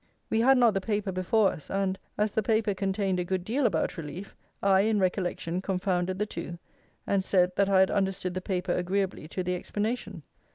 We had not the paper before us, and, as the paper contained a good deal about relief, I, in recollection, confounded the two, and said, that I had understood the paper agreeably to the explanation.